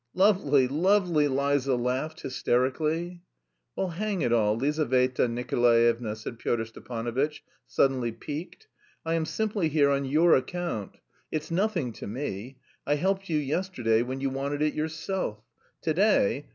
"Lovely, lovely!" Liza laughed hysterically. "Well, hang it all... Lizaveta Nikolaevna," said Pyotr Stepanovitch suddenly piqued. "I am simply here on your account.... It's nothing to me.... I helped you yesterday when you wanted it yourself. To day